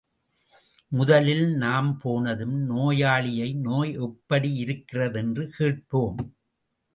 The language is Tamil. முதலில் நாம் போனதும் நோயாளியை, நோய் எப்படி இருக்கிறது —என்று கேட்போம்.